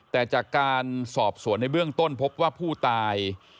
แต่จากการสอบสวนในเบื้องต้นพบว่าผู้ตาย